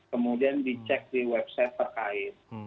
kemudian dicek di website terkait